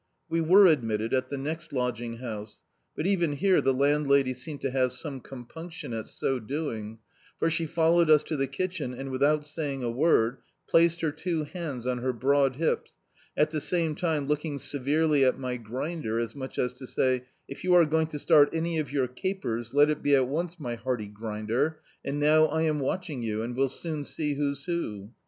We were admitted at the next lodging house, but even here the landlady seemed to have somt com punction at so doing; for she followed us to the kitchen and without saying a word, placed her two hands on her broad hips, at the same time looking severely at my grinder, as much as to say — "If you are going to start any of your capers, let it be at once, my hearty grinder, now I am watching you, and we'll soon see who's who."